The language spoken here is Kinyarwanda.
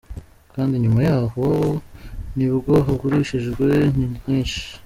Kandi nyuma yaho nibwo hagurishijwe nyinshi.